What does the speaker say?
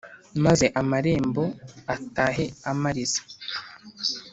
maze amarembo atahe amariza